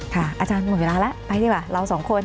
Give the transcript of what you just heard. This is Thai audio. อาจารย์หมดเวลาแล้วไปดีกว่าเราสองคน